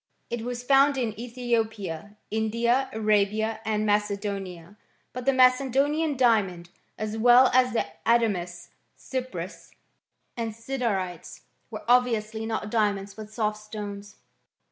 It was found in Ethiopia, India, Arabia, and Macedonia. But tiie Macedonian diamond, as well as the adamas cyprius and siderites, were obviously ' not diamonds, but soft stones.